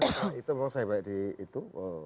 kemudian itu memang saya baik di itu